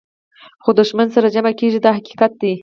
خو دښمنان سره جمع کېږي دا حقیقت دی.